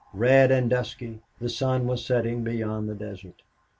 Red and dusky, the sun was setting beyond the desert.